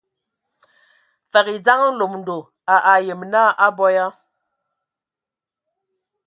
Fəg e dzeŋa Mlomodo, a ayem naa a abɔ ya.